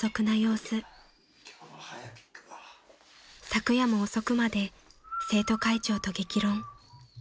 ［昨夜も遅くまで生徒会長と激論］